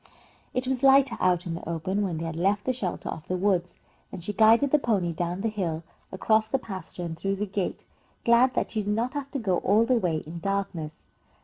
It was lighter out in the open, when they had left the shelter of the woods, and she guided the pony down the hill, across the pasture, and through the gate, glad that she did not have to go all the way in darkness.